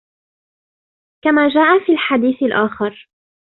كَمَا جَاءَ فِي الْحَدِيثِ الْآخَرِ